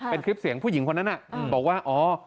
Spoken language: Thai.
เป็นคลิปเสียงผู้หญิงคนนั้นบอกว่าอ๋อ